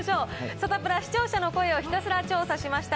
サタプラ、視聴者の声をひたすら調査しました！